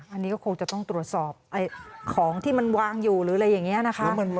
อันนี้ก็คงจะต้องตรวจสอบของที่มันวางอยู่หรืออะไรอย่างนี้นะคะ